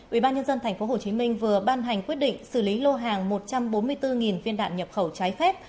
ubnd tp hcm vừa ban hành quyết định xử lý lô hàng một trăm bốn mươi bốn viên đạn nhập khẩu trái phép